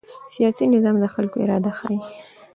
سیاسي نظام د خلکو اراده ښيي